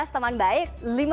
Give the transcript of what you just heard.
lima belas teman baik